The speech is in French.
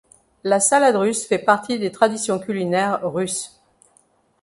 La salade russe fait partie des traditions culinaires russes.